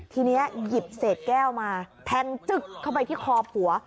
ทีนี้หยิบเศษแก้วมาแทงจึ๊กเข้าไปที่คอผัว